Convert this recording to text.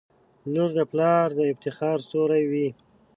• لور د پلار د افتخار ستوری وي.